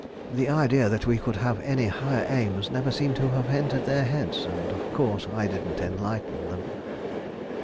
The idea that we could have any higher aims never seemed to have entered their heads, and, of course, I didn't enlighten them."